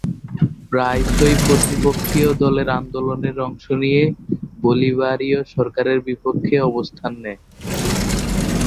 প্রায়শঃই প্রতিপক্ষীয় দলের আন্দোলনে অংশ নিয়ে বলিভারীয় সরকারের বিপক্ষে অবস্থান নেয়।